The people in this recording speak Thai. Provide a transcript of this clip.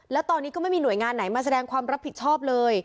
แล้วตอนนี้ก็ไม่มีหน่วยงานไหนมาแสดงความรับผิดชอบเลย